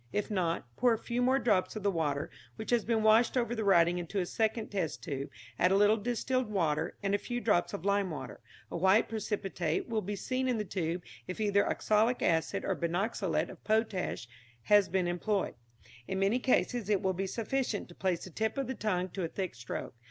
If not, pour a few more drops of the water which has been washed over the writing into a second test tube, add a little distilled water and a few drops of lime water. A white precipitate will be seen in the tube if either oxalic acid or binoxalate of potash has been employed. In many cases it will be sufficient to place the tip of the tongue to a thick stroke.